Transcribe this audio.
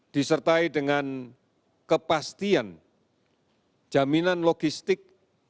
disertai dengan kepastian jaminan logistik